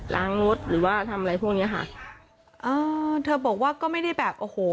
งดหรือว่าทำอะไรพวกเนี้ยค่ะเออเธอบอกว่าก็ไม่ได้แบบโอ้โห